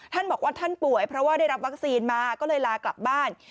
ท่านบอกว่าท่านป่วยเพราะว่าได้รับวัคซีนมาก็เลยลากลับบ้าน